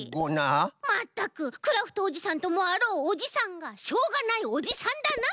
まったくクラフトおじさんともあろうおじさんがしょうがないおじさんだなあ！